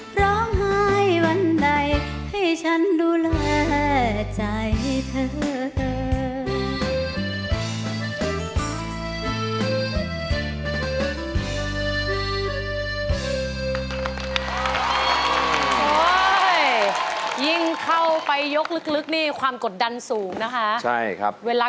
เพราะหายวันใดให้ฉันดูแลใจเธอ